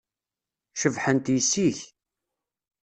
Cebḥent yessi-k.